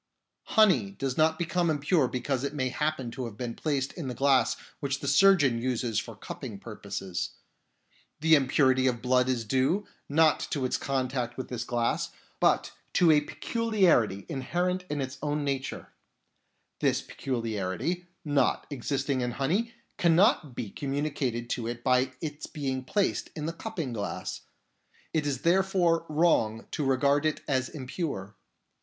Honey does not become impure because it may happen to have been placed in the glass which the surgeon uses for cupping purposes. The impurity of blood is due, not to its contact with this glass, but to a peculiarity inherent in its own nature ; this peculiarity, not existing in honey, cannot be communicated to it by its being placed in the cupping glass ; it is therefore wrong to regard it as impure.